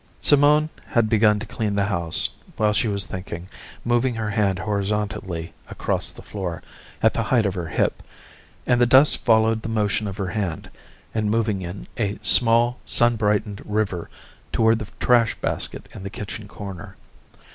Simone had begun to clean the house while she was thinking, moving her hand horizontally across the floor, at the height of her hip, and the dust was following the motion of her hand and moving in a small, sun brightened river toward the trash basket in the kitchen corner.